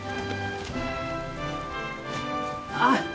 あっ！